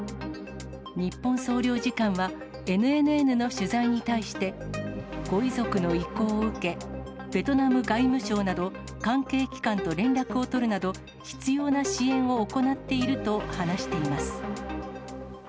日本総領事館は、ＮＮＮの取材に対して、ご遺族の意向を受け、ベトナム外務省など、関係機関と連絡を取るなど、必要な支援を行っていると話しています。